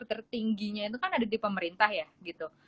tertingginya itu kan ada di pemerintah ya gitu